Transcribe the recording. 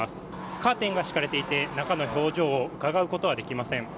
カーテンが引かれていて中の表情をうかがうことはできません。